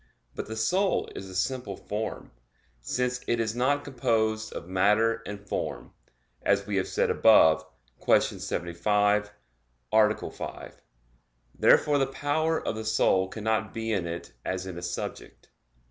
But the soul is a simple form; since it is not composed of matter and form, as we have said above (Q. 75, A. 5). Therefore the power of the soul cannot be in it as in a subject.